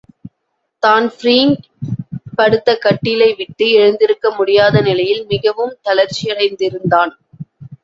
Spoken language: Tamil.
தான்பிரீன் படுத்த கட்டிலை விட்டு எழுந்திருக்க முடியாத நிலையில் மிகவும் தளர்ச்சியடைந்திருந்தான்.